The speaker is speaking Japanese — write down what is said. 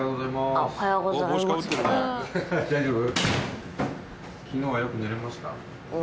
大丈夫？